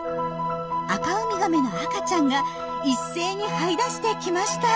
アカウミガメの赤ちゃんが一斉にはい出してきました。